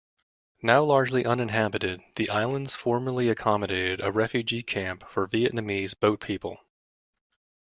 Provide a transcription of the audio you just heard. Now largely uninhabited, the islands formerly accommodated a refugee camp for Vietnamese boat people.